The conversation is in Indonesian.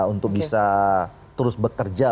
untuk bisa terus bekerja